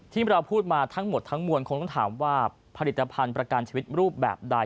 ที่เราพูดมาทั้งหมดทั้งมวลคงต้องถามว่าผลิตภัณฑ์ประกันชีวิตรูปแบบใด